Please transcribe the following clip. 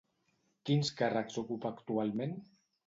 Quins càrrecs ocupa actualment?